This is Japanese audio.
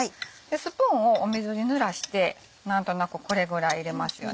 スプーンを水に濡らして何となくこれぐらい入れますよね。